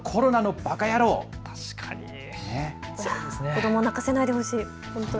子どもを泣かせないでほしい。